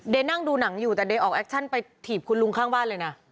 นั่งดูหนังอยู่แต่เดย์ออกแอคชั่นไปถีบคุณลุงข้างบ้านเลยนะ